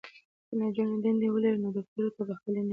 که نجونې دندې ولري نو دفترونه به خالي نه وي.